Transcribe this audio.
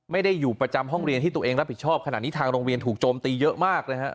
อยู่ประจำห้องเรียนที่ตัวเองรับผิดชอบขนาดนี้ทางโรงเรียนถูกโจมตีเยอะมากนะฮะ